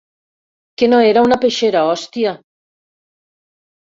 Que no era una peixera, hòstia!